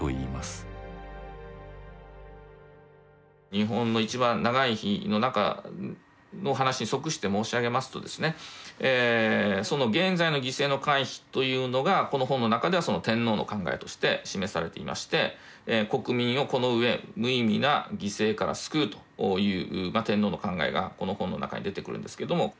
「日本のいちばん長い日」の中の話に即して申し上げますとですねというのがこの本の中では天皇の考えとして示されていまして国民をこの上無意味な犠牲から救うという天皇の考えがこの本の中に出てくるんですけども。